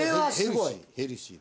ヘルシー。